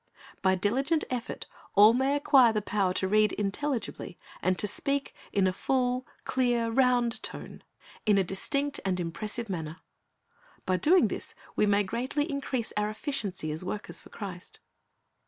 ' By diligent effort all may acquire the power to read intelligibly and to speak in a full, clear, round tone, in a iNeh. 8:8. 33^ Christ's Object Lesson^ distinct and impressive manner. By doing this we may greatly increase our efficiency as workers for Christ.